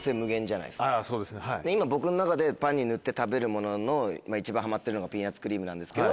今僕の中でパンに塗って食べるものの一番ハマってるのがピーナツクリームなんですけど。